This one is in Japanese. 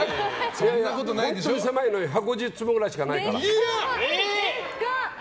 本当に狭いのよ１１０坪ぐらいしかないから。